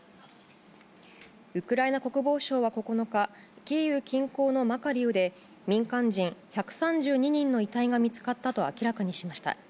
ウクライナ国防省は９日、キーウ近郊のマカリウで、民間人１３２人の遺体が見つかったと明らかにしました。